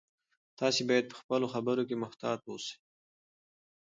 تاسي باید په خپلو خبرو کې محتاط اوسئ.